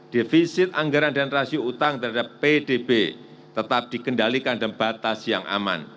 defisit anggaran dan rasio utang terhadap pdb tetap dikendalikan dan batas yang aman